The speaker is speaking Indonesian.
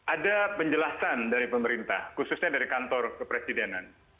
ada penjelasan dari pemerintah khususnya dari kantor kepresidenan